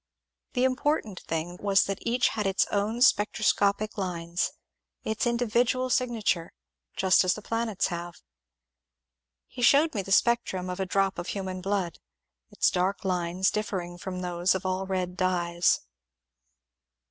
The important thing was that each had its own spectroscopic lines, its individual signature, just as the planets have. He showed me the spectrum of a drop of human blood, its dark lines diiSering from those of all red dyes.